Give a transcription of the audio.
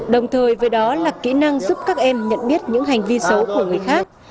đồng thời với đó là kỹ năng giúp các em nhận biết những hành vi xấu của người khác